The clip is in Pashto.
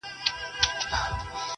د پښتو غزل ساقي دی-